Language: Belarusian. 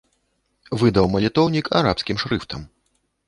Выдаў малітоўнік арабскім шрыфтам.